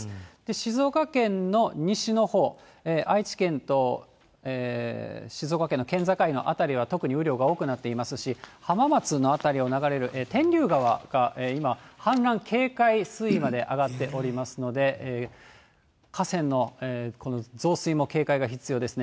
静岡県の西のほう、愛知県と静岡県の県境の辺りは特に雨量が多くなっていますし、浜松の辺りを流れる天竜川が今、氾濫警戒水位まで上がっておりますので、河川の増水も警戒が必要ですね。